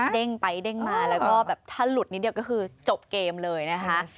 เด้งไปเด้งมาแล้วก็แบบถ้าหลุดนิดเดียวก็คือจบเกมเลยนะคะ